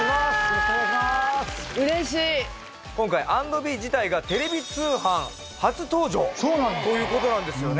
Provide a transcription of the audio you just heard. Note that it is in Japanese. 今回＆ｂｅ自体がテレビ通販初登場という事なんですよね。